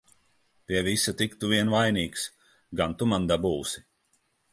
Pie visa tik tu vien vainīgs! Gan tu man dabūsi!